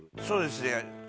そうですね。